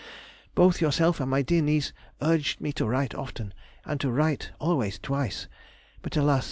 Both yourself and my dear niece urged me to write often, and to write always twice; but alas!